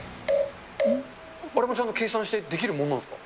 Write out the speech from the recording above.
あれもちゃんと計算して、できるものなんですか。